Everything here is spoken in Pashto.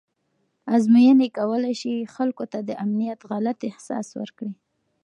ازموینې کولی شي خلکو ته د امنیت غلط احساس ورکړي.